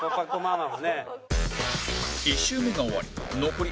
１周目が終わり残り